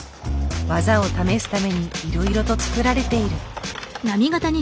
技を試すためにいろいろと作られている。